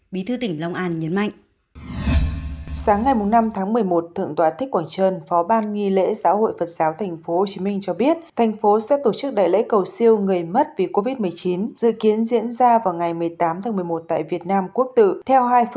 bí thư tỉnh long an nhấn mạnh